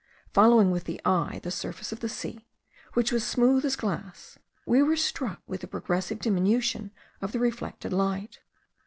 Following with the eye the surface of the sea, which was smooth as glass, we were struck with the progressive diminution of the reflected light.